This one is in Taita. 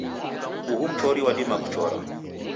Uhu mchori wadima kuchora